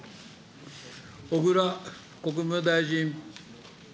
小倉国務大臣。